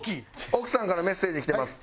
奥さんからメッセージきてます。